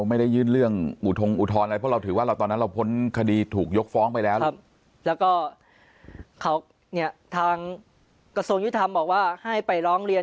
ไม่เข้าเกณฑ์ของกระทรวงยุติธรรม